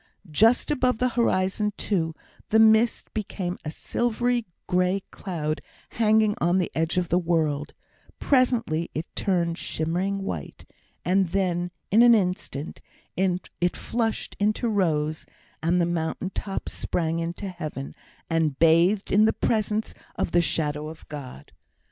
Just above the horizon, too, the mist became a silvery grey cloud hanging on the edge of the world; presently it turned shimmering white; and then, in an instant, it flushed into rose, and the mountain tops sprang into heaven, and bathed in the presence of the shadow of God.